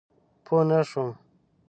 پوه نه شوم؟